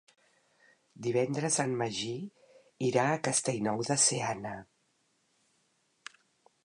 Divendres en Magí irà a Castellnou de Seana.